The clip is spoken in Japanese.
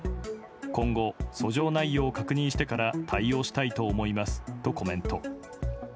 今後、訴状内容を確認してから対応したいと思いますとコメント。